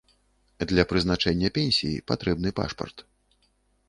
Для прызначэння пенсіі патрэбны пашпарт.